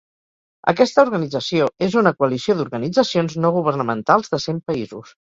Aquesta organització és una coalició d’organitzacions no governamentals de cent països.